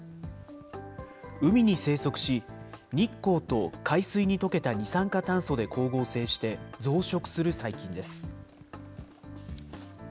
海に生息し、日光と海水に溶けた二酸化炭素で光合成して、増殖する細菌です。